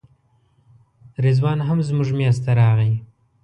رضوان هم زموږ میز ته راغی.